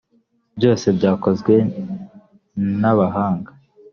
byose byakozwe n’bahanga